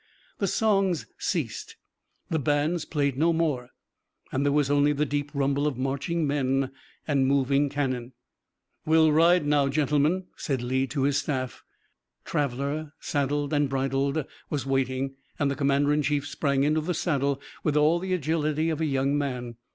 The songs ceased, the bands played no more, and there was only the deep rumble of marching men and moving cannon. "We'll ride now, gentlemen," said Lee to his staff. Traveller, saddled and bridled, was waiting and the commander in chief sprang into the saddle with all the agility of a young man.